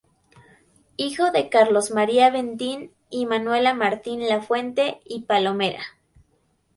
Hijo de Carlos María Bentín y Manuela Martín La Fuente y Palomera.